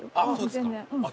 全然。